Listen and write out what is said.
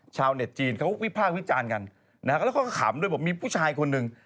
ชาวเน็ตจีนเขาวิภาควิจารณ์กันแล้วก็ขำด้วยบอกว่ามีผู้ชายคนหนึ่ง